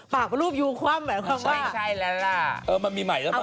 ปากเป็นรูปยูคว่ำแบบว่างั้นมันมีใหม่แล้วปะ